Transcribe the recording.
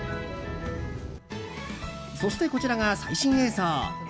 そしてこちらが最新映像。